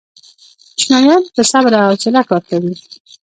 چینایان په صبر او حوصله کار کوي.